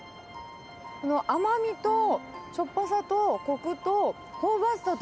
この甘みとしょっぱさとこくと、香ばしさと。